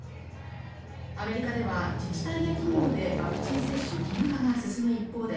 アメリカでは自治体や企業でワクチン接種の義務化が進む一方で